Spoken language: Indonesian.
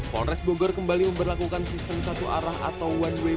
polres bogor kembali memperlakukan sistem satu arah atau one way